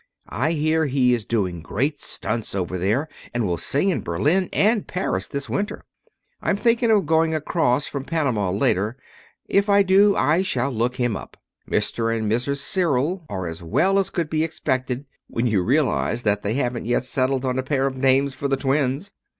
I hear he is doing great stunts over there, and will sing in Berlin and Paris this winter. I'm thinking of going across from Panama later. If I do I shall look him up. Mr. and Mrs. Cyril are as well as could be expected when you realize that they haven't yet settled on a pair of names for the twins."